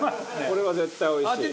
これは絶対おいしい。